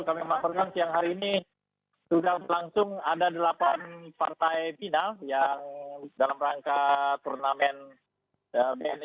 kami melaporkan siang hari ini sudah berlangsung ada delapan partai final yang dalam rangka turnamen bni